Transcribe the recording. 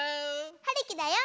はるきだよ。